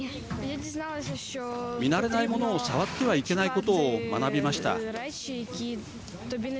見慣れないものを触ってはいけないことを学びました。